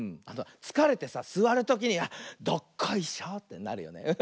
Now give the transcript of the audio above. つかれてさすわるときにどっこいしょってなるよね。